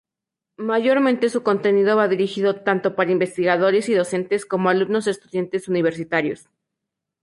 Mayormente, su contenido va dirigido tanto para investigadores y docentes como alumnos estudiantes universitarios.